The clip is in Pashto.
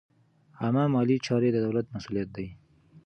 عامه مالي چارې د دولت مسوولیت دی.